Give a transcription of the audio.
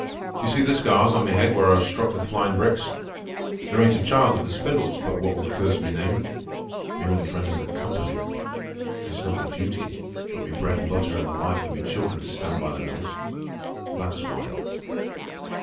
D'ye see the scars on me head where I was struck with flying bricks? There ain't a child at the spindles but what would curse me name. Me only friend is the company. It's not me duty, but me bread an' butter an' the life of me children to stand by the mills. That's why."